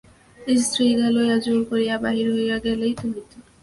স্ত্রীকে লইয়া জোর করিয়া বাহির হইয়া গেলেই তো হইত।